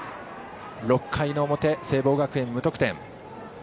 ６回の表、聖望学園、無得点。